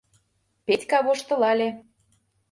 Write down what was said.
— Петька воштылале.